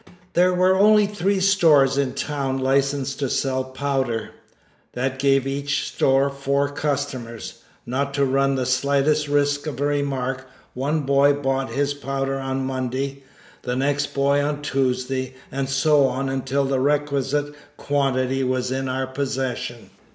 There were only three stores in town licensed to sell powder; that gave each store four customers. Not to run the slightest risk of remark, one boy bought his powder on Monday, the next boy on Tuesday, and so on until the requisite quantity was in our possession.